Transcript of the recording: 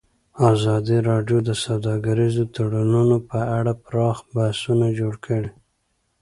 ازادي راډیو د سوداګریز تړونونه په اړه پراخ بحثونه جوړ کړي.